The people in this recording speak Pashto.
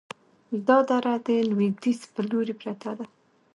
دا دره د لویدیځ په لوري پرته ده،